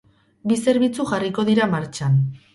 Bi zerbitzu jarriko dira martxan.